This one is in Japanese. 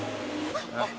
あっ！